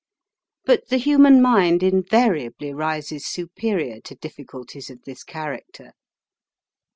But the human mind invariably rises superior to difficulties of this character.